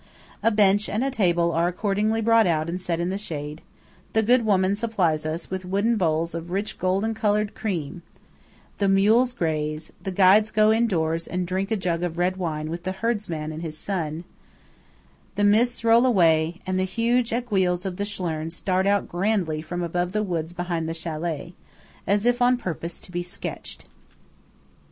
A bench and table are accordingly brought out and set in the shade; the good woman supplies us with wooden bowls of rich golden coloured cream; the mules graze; the guides go indoors and drink a jug of red wine with the herdsman and his sons; the mists roll away, and the huge aiguilles of the Schlern start out grandly from above the woods behind the châlet–as if on purpose to be sketched.